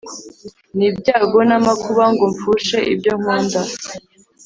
n'ibyago n'amakuba, ngo mfushe ibyo nkunda;